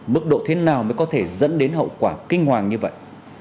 mức độ thế nào mới có thể dẫn đến hậu quả kinh hoàng như vậy